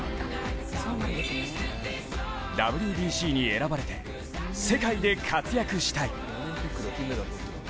ＷＢＣに選ばれて世界で活躍したい。